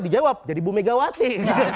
dijawab jadi bumn mejawati